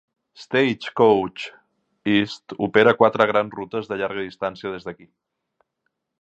Stagecoach East opera quatre grans rutes de llarga distància des d'aquí.